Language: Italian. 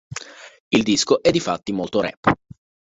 Il disco è difatti molto rap.